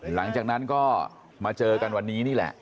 หลังจากนั้นก็มาเจอกันวันนี้นี่แหละ